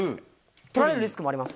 取られるリスクもあります。